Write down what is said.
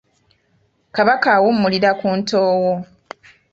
Kabaka awummulira ku Ntoowo.